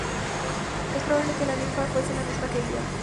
Es probable que la ninfa fuese la misma que Ida.